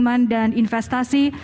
kepala pembangunan dan investasi